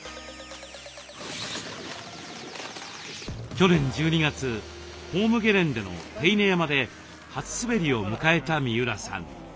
去年１２月ホームゲレンデの手稲山で初滑りを迎えた三浦さん。